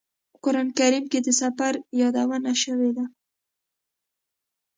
په قران کریم کې د سفر یادونه شوې ده.